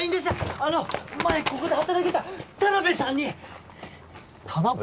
あの前ここで働いてた田辺さんに田辺？